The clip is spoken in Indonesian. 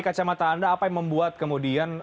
kacamata anda apa yang membuat kemudian